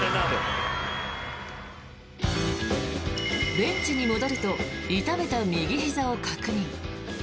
ベンチに戻ると痛めた右ひざを確認。